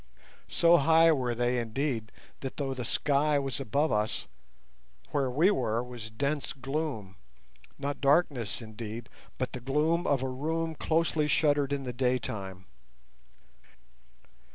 So high were they, indeed, that though the sky was above us, where we were was dense gloom—not darkness indeed, but the gloom of a room closely shuttered in the daytime.